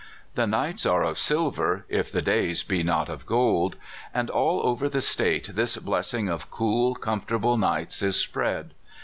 The nights are of silver, if the days be not of gold.. And all over the State this blessing of THE CLIMATE OF CALIFORNIA. 207 cool, comfortable nights is spread.